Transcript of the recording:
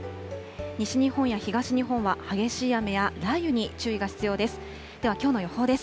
西日本や東日本は激しい雨や雷雨に注意が必要です。